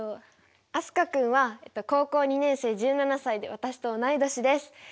飛鳥君は高校２年生１７歳で私と同い年です。